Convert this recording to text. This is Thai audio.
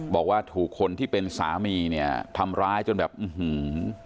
บอกว่าถูกคนที่เป็นสามีเนี่ยทำร้ายจนแบบอื้อหือ